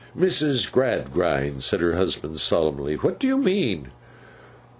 'Mrs. Gradgrind,' said her husband, solemnly, 'what do you mean?